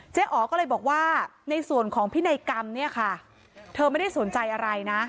อ๋อก็เลยบอกว่าในส่วนของพินัยกรรมเนี่ยค่ะเธอไม่ได้สนใจอะไรนะ